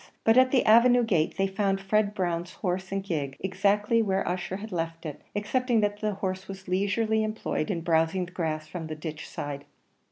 But at the avenue gate they found Fred Brown's horse and gig, exactly where Ussher had left it, excepting that the horse was leisurely employed in browsing the grass from the ditch side.